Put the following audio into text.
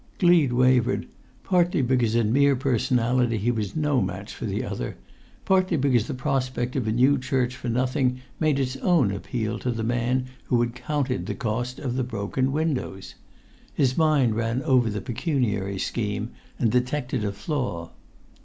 Gleed wavered, partly because in mere personality he was no match for the other, partly because the prospect of a new church for nothing made its own appeal to the man who had counted the cost of the broken windows. His mind ran over the pecuniary scheme and detected a flaw.